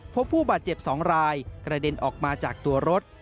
พบผู้บาดเจ็บ๒รายกระเด็นออกมาจากตัวรถ